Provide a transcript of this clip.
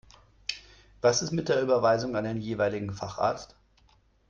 Was ist mit der Überweisung an den jeweiligen Facharzt?